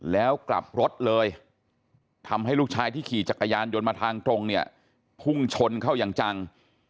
แล้วกลับรถเลยทำให้ลูกชายที่ขี่จักรยานยนต์มาทางตรงเนี่ยพุ่งชนเข้าอย่างจัง